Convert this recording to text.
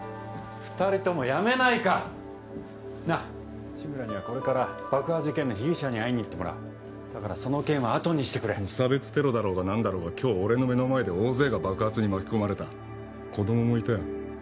二人ともやめないかなっ志村にはこれから爆破事件の被疑者に会いに行ってもらうだからその件はあとにしてくれ無差別テロだろうが何だろうが今日俺の目の前で大勢が爆発に巻き込まれた子供もいたよ